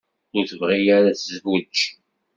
Ur tebɣi ara ad tezweǧ.